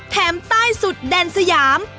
ใต้สุดแดนสยาม